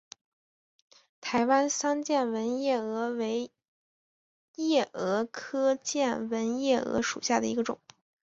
台湾桑剑纹夜蛾为夜蛾科剑纹夜蛾属下的一个种。